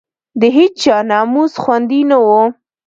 د هېچا ناموس خوندي نه وو.